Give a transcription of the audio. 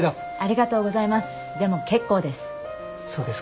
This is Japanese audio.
でも結構です。